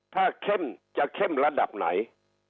ถ้าเข้มจะเข้มระดับไหน